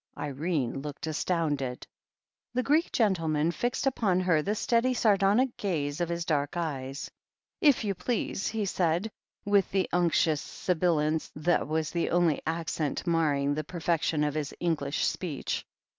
Irene looked astounded. 146 THE HEEL OF ACHILLES The Greek gentleman fixed upon her the steady, sardonic gaze of his dark eyes. "If you please," he said, with the unctuous sibilance that was the only accent marring the perfection of his English speech.